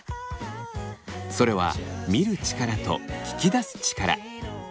それは見る力と聞き出す力。